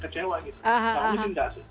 kalau misalnya enggak sih